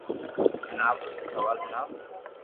ھين آپرو سب حوال ھڻاو